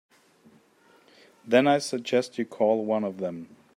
Then I suggest you call one of them.